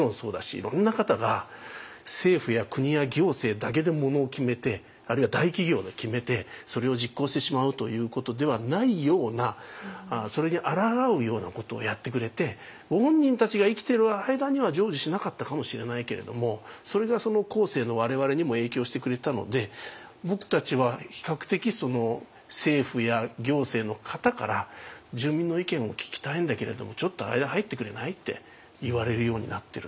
いろんな方が政府や国や行政だけでものを決めてあるいは大企業で決めてそれを実行してしまうということではないようなそれにあらがうようなことをやってくれてご本人たちが生きている間には成就しなかったかもしれないけれどもそれが後世の我々にも影響してくれたので僕たちは比較的政府や行政の方から「住民の意見を聞きたいんだけれどもちょっと間入ってくれない？」って言われるようになってる。